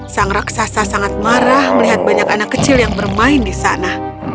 sang raksasa sangat marah melihat banyak anak kecil yang bermain di sana